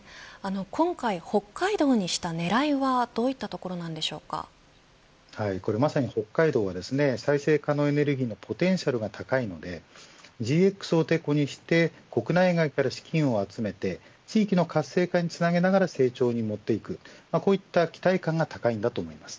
今回、北海道にした狙いはどういったところまさに北海道は再生可能エネルギーのポテンシャルが高いのでＧＸをてこにして国内外から資金を集めて地域の活性化につなげながら成長に持っていくこういった期待感が高いんだと思います。